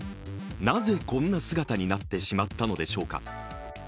なぜ、こんな姿になってしまったのでしょうか。